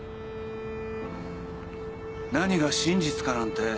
何が真実かなんて